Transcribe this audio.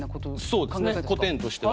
そうですね古典としては。